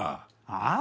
ああ？